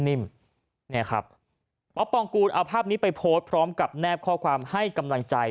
เนี่ยครับป๊อปปองกูลเอาภาพนี้ไปโพสต์พร้อมกับแนบข้อความให้กำลังใจ